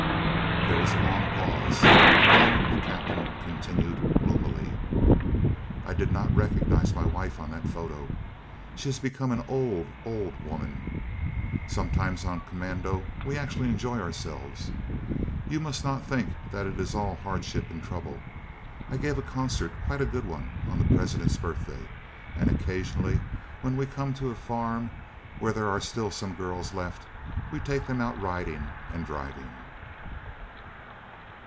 There was a long pause, and then, the Captain continued gloomily: "I did not recognise my wife on that photo she has become an old, old woman.... Sometimes on commando we actually enjoy ourselves. You must not think that it is all hardship and trouble! I gave a concert, quite a good one, on the President's birthday, and occasionally, when we come to a farm where there are still some girls left, we take them out riding and driving."